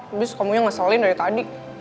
abis kamu yang ngeselin dari tadi